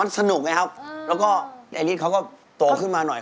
มันสนุกนะครับแล้วก็ไอฤทเขาก็โตขึ้นมาหน่อย